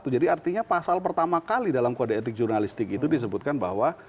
jadi artinya pasal pertama kali dalam kode etik jurnalistik itu disebutkan bahwa